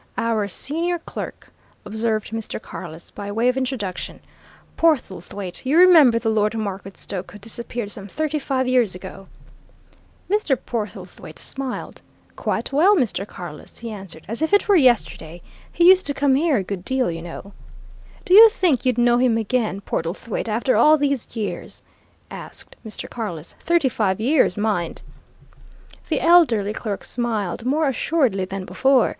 "Our senior clerk," observed Mr. Carless, by way of introduction. "Portlethwaite, you remember the Lord Marketstoke who disappeared some thirty five years ago?" Mr. Portlethwaite smiled. "Quite well, Mr. Carless!" he answered. "As if it were yesterday. He used to come here a good deal, you know." "Do you think you'd know him again, Portlethwaite, after all these years?" asked Mr. Carless. "Thirty five years, mind!" The elderly clerk smiled more assuredly than before.